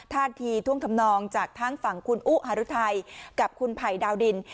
ท่าทีท่วงทำนองจากทั้งฝั่งคุณอุหารุทัยกับคุณไผ่ดาวดิน